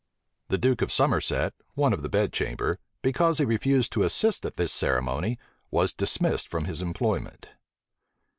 The duke of Somerset, one of the bed chamber, because he refused to assist at this ceremony, was dismissed from his employment.